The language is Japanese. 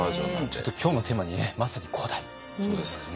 ちょっと今日のテーマにねまさに古代っていう。